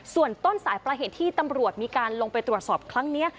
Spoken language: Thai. ส่วนต้นสายประเหตุที่ตำรวจมีการลงไปตรวจสอบครั้งนี้